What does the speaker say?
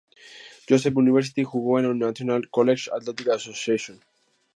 Joseph University; jugó en la "National Collegiate Athletic Association".